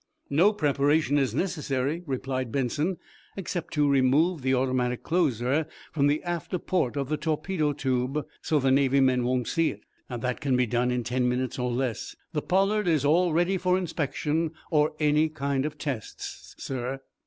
"No preparation is necessary," replied Benson, "except to remove the automatic closer from the after port of the torpedo tube, so the Navy men won't see it. That can be done in ten minutes or less. The 'Pollard' is all ready for inspection or any kind of tests, sir."